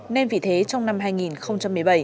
nên vì thế trong năm hai nghìn một mươi bảy